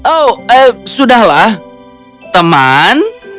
oh eh sudahlah teman